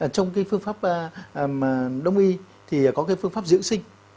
trong phương pháp đông y thì có cái phương pháp dưỡng sinh